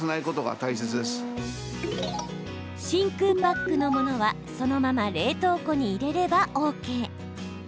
真空パックのものはそのまま冷凍庫に入れればＯＫ。